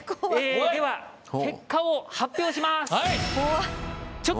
結果を発表します。